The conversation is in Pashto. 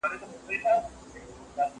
زه پرون موټر کاروم؟!